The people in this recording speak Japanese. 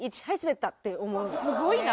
すごいな！